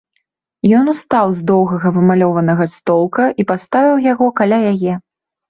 Ён устаў з доўгага памалёванага столка і паставіў яго каля яе.